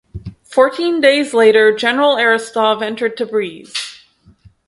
Fourteen days later, General Eristov entered Tabriz.